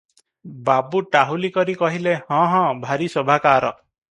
ବାବୁ ଟାହୁଲି କରି କହିଲେ - ହଁ, ହଁ, ଭାରି ଶୋଭାକାର ।